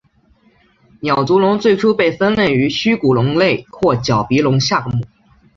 鸟足龙最初被分类于虚骨龙类或角鼻龙下目。